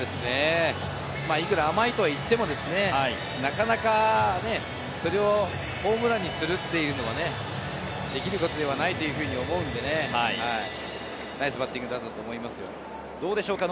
いくら甘いとはいっても、なかなかこれをホームランにするというのはできることではないと思うので、ナイスバッティングだったと思います。